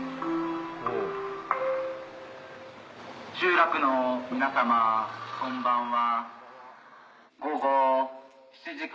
集落の皆さまこんばんは。